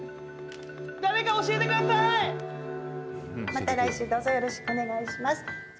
また来週どうぞよろしくお願いします。